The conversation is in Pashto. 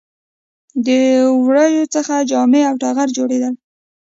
د وړیو څخه جامې او ټغر جوړیدل